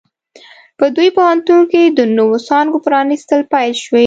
په دې پوهنتون کې د نوو څانګو پرانیستل پیل شوي